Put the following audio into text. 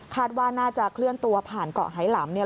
คาดว่าน่าจะเคลื่อนตัวผ่านเกาะไหล่หลำ